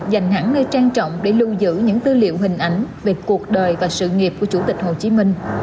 dành hẳn nơi trang trọng để lưu giữ những tư liệu hình ảnh về cuộc đời và sự nghiệp của chủ tịch hồ chí minh